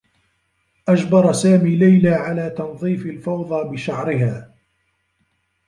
أجبر سامي ليلى على تنظّيف الفوضى بشعرها.